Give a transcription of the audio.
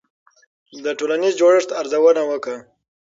د ټولنیز جوړښت ارزونه وکړه.